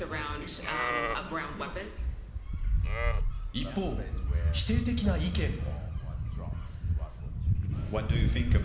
一方、否定的な意見も。